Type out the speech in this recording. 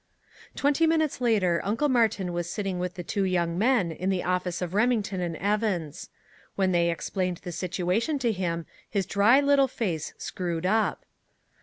Twenty minutes later Uncle Martin was sitting with the two young men in the office of Remington and Evans. When they explained the situation to him his dry little face screwed up.